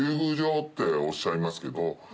おっしゃいますけど。